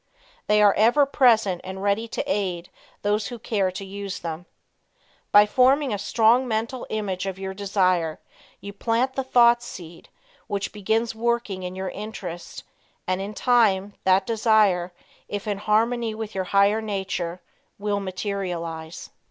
They are ever present and ready to aid those who care to use them. By forming a strong mental image of your desire, you plant the thought seed which begins working in your interest and, in time, that desire, if in harmony with your higher nature, will materialize.